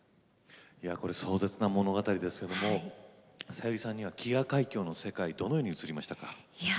壮絶な物語ですけれどもさゆりさんには「飢餓海峡」の世界、どのように映りましたか。